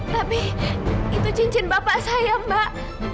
tapi itu cincin bapak saya mbak